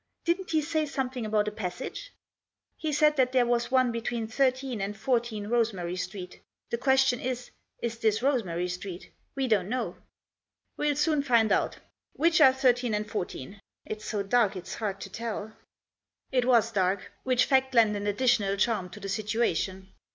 Didn't he say something about a passage ?" "He said that there was one between 13 and 14 Rosemary Street. The question is, is this Rosemary Street? We don't know." "We'll soon find out. Which are 13 and 14? It's so dark it's hard to tell." It was dark ; which fact lent an additional charm to the situation.